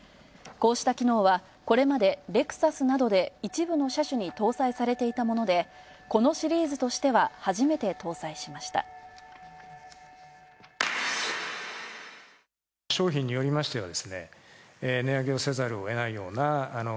こうした機能はこれまでレクサスなどで一部の車種に搭載されていたもので、このシリーズとしては初めて搭載しました。